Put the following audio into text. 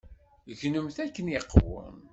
Gnem akken iqwem.